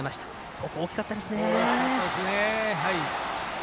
ここ大きかったですね。